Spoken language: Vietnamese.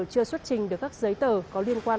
chưa xuất trình được các giấy tờ có liên quan